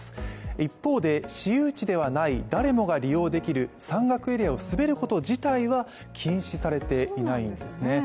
一方で私有地ではない誰もが利用できる山岳エリアを滑ること自体は禁止されていないんですね。